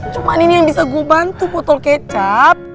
cuman ini yang bisa gue bantu potol kecap